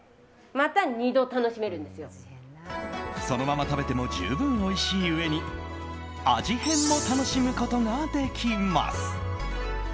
そのまま食べても十分おいしいうえに味変も楽しむことができます。